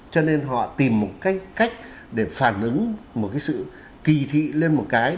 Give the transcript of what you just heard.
cho nên họ tìm một cách để phản ứng một cái sự kỳ thị lên một cái